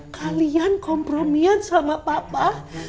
kalian kompromian sama papa